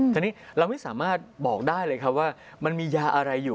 ทีนี้เราไม่สามารถบอกได้เลยครับว่ามันมียาอะไรอยู่